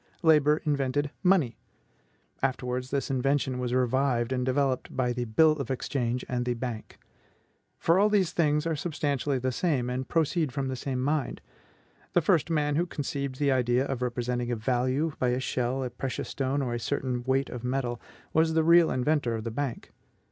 Labor invented MONEY. Afterwards, this invention was revived and developed by the BILL OF EXCHANGE and the BANK. For all these things are substantially the same, and proceed from the same mind. The first man who conceived the idea of representing a value by a shell, a precious stone, or a certain weight of metal, was the real inventor of the Bank.